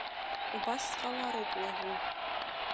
Убас сҟалароуп уажәы.